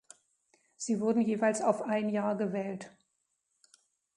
Sie wurden jeweils auf ein Jahr gewählt.